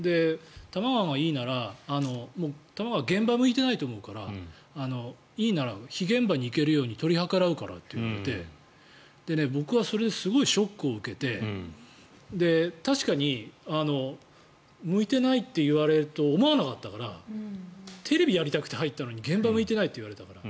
玉川がいいなら玉川、現場向いてないと思うからいいなら、非現場に行けるように取り計らうからって言われて僕はそれですごくショックを受けて確かに、向いてないって言われると思わなかったからテレビをやりたくて入ったのに現場向いていないと言われたから。